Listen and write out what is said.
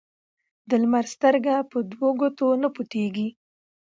ـ د لمر سترګه په دو ګوتو نه پټيږي.